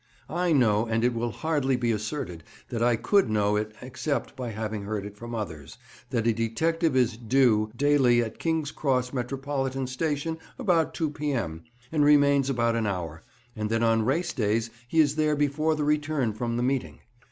I know—and it will hardly be asserted that I could know it except by having heard it from others—that a detective is "due" daily at King's Cross Metropolitan Station about two P.M., and remains about an hour, and that on race days he is there before the return from the meeting.